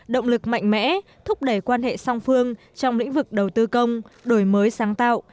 động lực mạnh mẽ thúc đẩy quan hệ song phương trong lĩnh vực đầu tư công đổi mới sáng tạo